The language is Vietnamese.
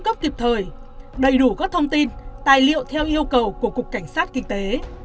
cấp kịp thời đầy đủ các thông tin tài liệu theo yêu cầu của cục cảnh sát kinh tế